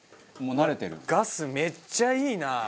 ガスめっちゃいいな！